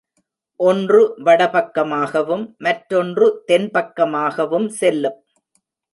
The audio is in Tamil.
ஒன்று வட பக்கமாகவும், மற்றொன்று தென் பக்கமாகவும் செல்லும்.